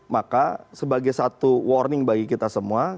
maka sebagai satu warning bagi kita semua